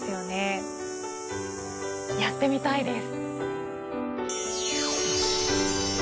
やってみたいです。